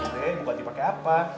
bukan dipake apa